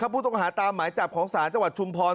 ผู้ต้องหาตามหมายจับของศาลจังหวัดชุมพร